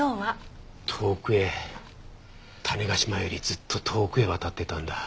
遠くへ種子島よりずっと遠くへ渡ってたんだ。